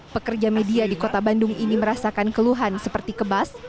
pekerja media di kota bandung ini merasakan keluhan seperti kebas